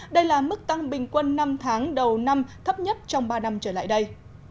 đây là mức tăng bình quân năm tháng đầu năm thấp nhất trong ba năm trở lại đây